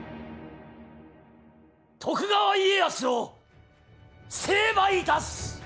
徳川家康を成敗いたす！